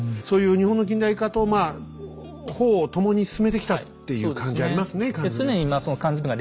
そういう日本の近代化とまあ歩を共に進めてきたっていう感じありますね缶詰。